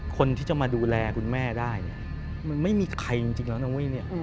คนที่จะมาดูแลคุณแม่ได้เนี่ยมันไม่มีใครจริงแล้วนะเว้ยเนี่ย